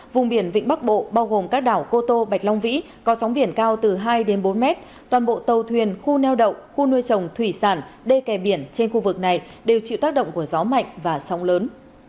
vùng biển vịnh bắc bộ bao gồm các đảo cô tô bạch long vĩ có sóng biển cao từ hai đến bốn mét toàn bộ tàu thuyền khu neo đậu khu nuôi trồng thủy sản đê kè biển trên khu vực này đều chịu tác động của gió mạnh và sóng lớn